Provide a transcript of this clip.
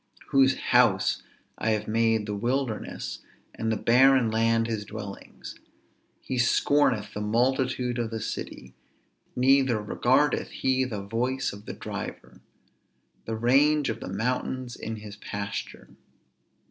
whose house I have made the wilderness and the barren land his dwellings. He scorneth the multitude of the city, neither regardeth he the voice of the driver. The range of the mountains is his pasture.